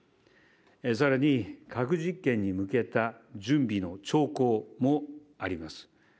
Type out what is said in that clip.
更に核実験に向けた準備の兆候もあります。